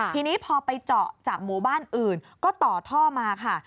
ทีนี้พอไปเจาะจากหมู่บ้านอื่นก็ต่อท่อมาค่ะ